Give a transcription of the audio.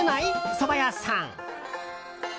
そば屋さん。